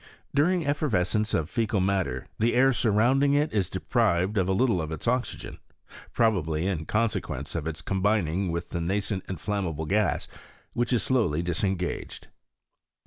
During efl'ervescence of feecal matter tha air Burroundlng it is deprived of a little of its oxygen, probubly in consequence of its combining' with the nascent inflammable gas which is slowly disuTigaged.